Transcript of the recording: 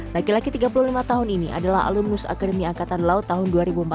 laki laki tiga puluh lima tahun ini adalah alumnus akademi angkatan laut tahun dua ribu empat belas